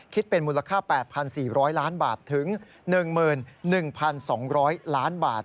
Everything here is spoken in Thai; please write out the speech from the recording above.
คิดเป็นมูลค่า๘๔๐๐ล้านบาทถึง๑๑๒๐๐ล้านบาท